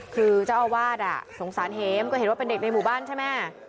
คือเจ้าอาวาสสงสารเห็มก็เห็นว่าเป็นเด็กในหมู่บ้านใช่ไหม